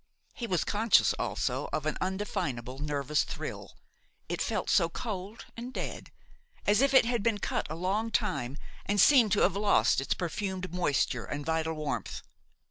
He was conscious, also, of an indefinable nervous thrill, it felt so cold and dead, as if it had been cut a long time, and seemed to have lost its perfumed moisture and vital warmth.